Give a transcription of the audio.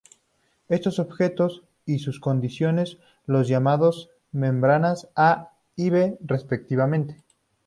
Estos objetos y sus condiciones son llamados membranas A y B respectivamente.